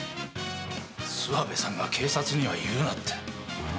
諏訪部さんが警察には言うなって。